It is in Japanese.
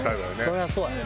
そりゃそうだね。